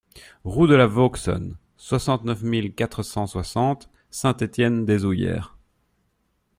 Route de la Vauxonne, soixante-neuf mille quatre cent soixante Saint-Étienne-des-Oullières